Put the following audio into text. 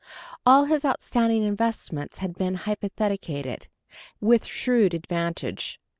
All his outstanding investments had been hypothecated, with shrewd advantage.